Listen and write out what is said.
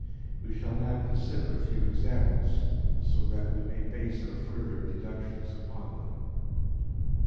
We shall now consider a few examples so that we may base our further deductions upon them.